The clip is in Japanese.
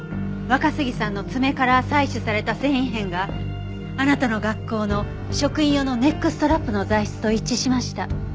若杉さんの爪から採取された繊維片があなたの学校の職員用のネックストラップの材質と一致しました。